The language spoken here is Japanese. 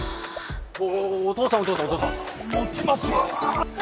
おおお父さんお父さんお父さん持ちますよ